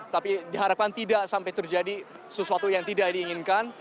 tapi diharapkan tidak sampai terjadi sesuatu yang tidak diinginkan